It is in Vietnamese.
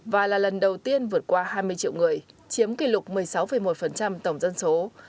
và là lần đầu tiên vượt qua hai mươi triệu người chiếm kỷ lục một mươi sáu một tổng dân số